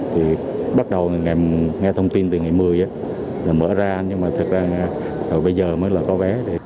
thì bắt đầu nghe thông tin từ ngày một mươi là mở ra nhưng mà thật ra bây giờ mới là có vé